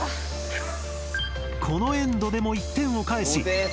このエンドでも１点を返し。